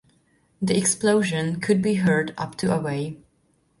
The explosion could be heard up to away.